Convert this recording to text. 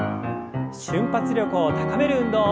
瞬発力を高める運動。